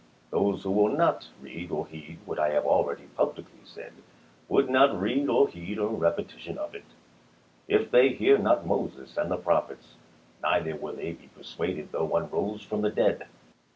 Those who will not read or heed what I have already publicly said would not read or heed a repetition of it. " If they hear not Moses ^^in to and the prophets, neither will they be persuaded though 23, i860, ms. one rose from the dead."